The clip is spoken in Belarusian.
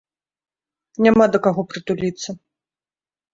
Няма да каго прытуліцца.